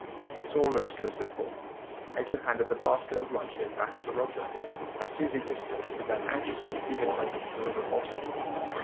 It all looked so simple, Ato handed the basket of lunch he had packed to Roger, and seizing his stilts began anxiously feeling around for the river bottom.